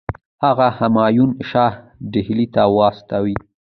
هغه همایون شاه ډهلي ته واستوي.